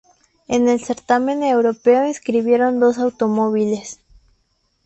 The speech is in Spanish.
En el certamen europeo inscribieron dos automóviles.